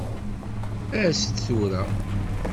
As-d tura.